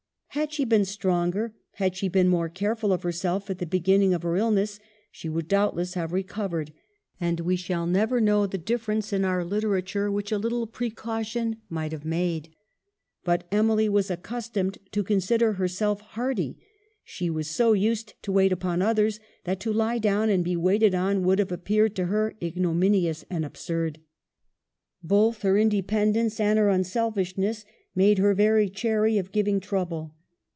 Had she been stronger, had she been more careful of herself at the beginning of her illness, she would doubtless have recovered, and we shall never know the difference in our literature which a little precaution might have made. But Emily was accustomed to consider herself hardy ; she was so used to wait upon others that to lie down and be waited on would have appeared to her ignominious and absurd. Both her independence and her unselfishness made her very chary of giv ing trouble.